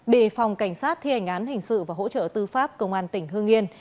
đề phòng cảnh sát thi hành án hình sự và hỗ trợ tư pháp công an tỉnh hương yên